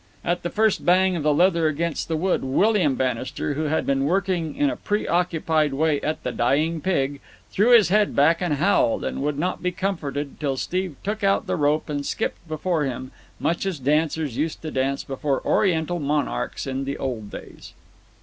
At the first bang of the leather against the wood William Bannister, who had been working in a pre occupied way at the dying pig, threw his head back and howled, and would not be comforted till Steve took out the rope and skipped before him, much as dancers used to dance before oriental monarchs in the old days.